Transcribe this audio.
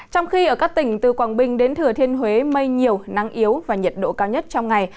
trong khi ở các tỉnh từ quảng bình đến thừa thiên huế mây nhiều nắng yếu và nhiệt độ cao nhất trong ngày